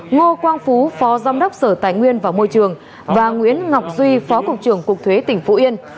ngô quang phú phó giám đốc sở tài nguyên và môi trường và nguyễn ngọc duy phó cục trưởng cục thuế tỉnh phú yên